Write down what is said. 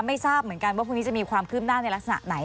ไม่ทราบเหมือนกันว่าพรุ่งนี้จะมีความคืบหน้าในลักษณะไหน